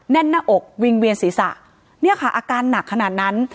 แน่นหน้าอกวิ่งเวียนศีรษะเนี่ยค่ะอาการหนักขนาดนั้น